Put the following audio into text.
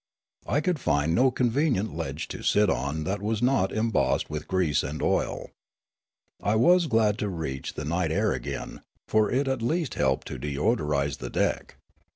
I could find no convenient ledge to sit on that was not em bossed with grease and oil. I was glad to reach the night air again, for it at least helped to deodorise the deck.